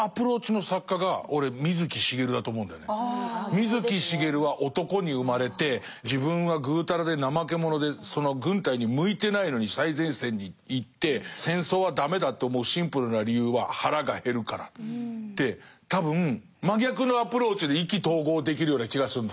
水木しげるは男に生まれて自分はぐうたらで怠け者で軍隊に向いてないのに最前線に行って戦争は駄目だと思うシンプルな理由は腹が減るからって多分真逆のアプローチで意気投合できるような気がするの。